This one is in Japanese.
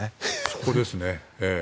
そこですね。